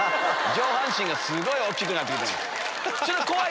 上半身がすっごい大きくなってきてる。